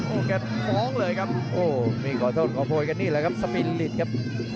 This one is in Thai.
โอ้โหแกฟ้องเลยครับโอ้นี่ขอโทษขอโพยกันนี่แหละครับสปีนลิตครับ